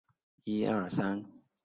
山东乡试第四名。